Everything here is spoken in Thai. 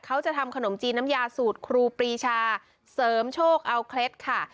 เขาจะทำขนมจีนน้ำยาสูตรครูปรีชาเสริมโชคเอาเคล็ดค่ะ